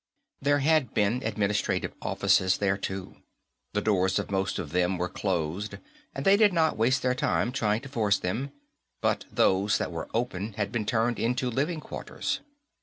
There had been administrative offices there, too. The doors of most of them were closed, and they did not waste time trying to force them, but those that were open had been turned into living quarters.